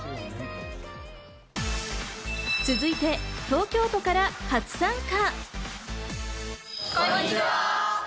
続いて東京都から初参加。